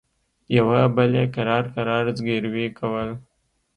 يوه بل يې کرار کرار زګيروي کول.